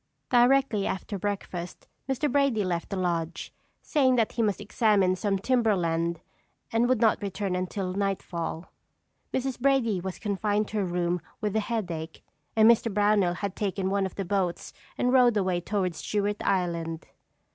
Directly after breakfast, Mr. Brady left the lodge, saying that he must examine some timber land and would not return until nightfall. Mrs. Brady was confined to her room with a headache and Mr. Brownell had taken one of the boats and rowed away toward Stewart Island.